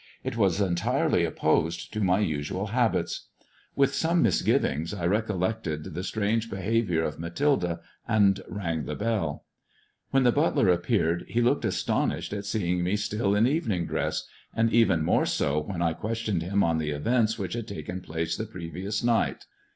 It was entirely opposed to my usual habits. With some misgivings, I recol lected the strange behaviour of Mathilde, and rang the belL 880 MY COUSIN FROM FRANCE Wh^i the butler appeared he looked astonished at seeing me still in evening dress, and even more so when I questioned him on the events which had taken place the previous night.